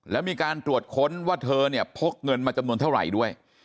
แล้วมีการตรวจค้นว่าเธอเนี่ยพกเงินมาจำนวนเท่าไหร่ด้วย